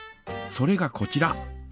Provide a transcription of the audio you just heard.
それがこちら。